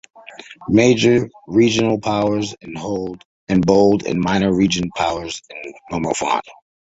Major regional powers in bold and minor regional powers in normal font.